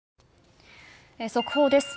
速報です。